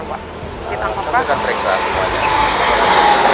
kita akan periksa semuanya